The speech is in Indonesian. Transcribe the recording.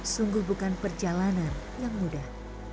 sungguh bukan perjalanan yang mudah